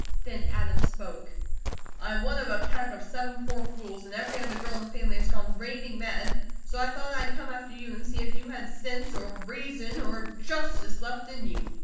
Then Adam spoke: "I am one of a pack of seven poor fools, and every other girl in the family has gone raving mad, so I thought I'd come after you, and see if you had sense, or reason, or justice, left in you."